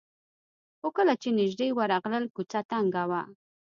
خو کله چې نژدې ورغلل کوڅه تنګه وه.